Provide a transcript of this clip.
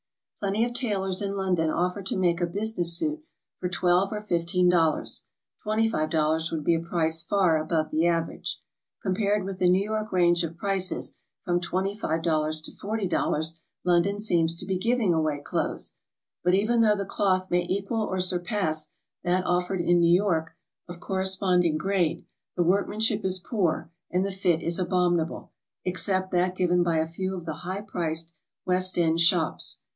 Plenty of tailors in London offer to make a business suit for twelve or fifteen dollars; $25 would be a price far above the average. Compared with the New York range of prices, from $25 to $40, London seems to be giving away clothes. But even though the cloth may equal or surpass that offered in New York of corresponding grade, the workmanship is poor and the fit is abominable, except that given by a few of the high priced West End shops.